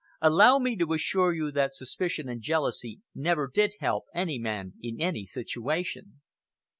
Allow me to assure you that suspicion and jealousy never did help any man in any situation.